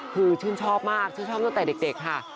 คือชื่นชอบมากชื่นชอบตั้งแต่เด็กค่ะ